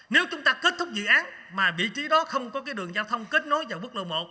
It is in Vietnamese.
nếu chúng ta kết thúc dự án mà vị trí đó không có đường giao thông kết nối vào quốc lộ một